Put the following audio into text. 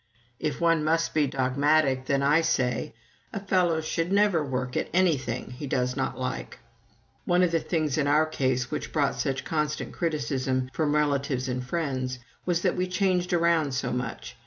If one must be dogmatic, then I say, "A fellow should never work at anything he does not like." One of the things in our case which brought such constant criticism from relatives and friends was that we changed around so much.